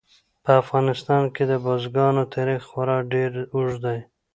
په افغانستان کې د بزګانو تاریخ خورا ډېر اوږد دی.